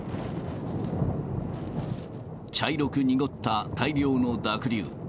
茶色く濁った大量の濁流。